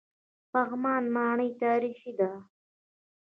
پغمان ماڼۍ تاریخي ده؟